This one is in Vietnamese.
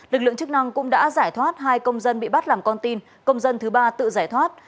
lực lượng chức năng cũng đã giải thoát hai công dân bị bắt làm con tin công dân thứ ba tự giải thoát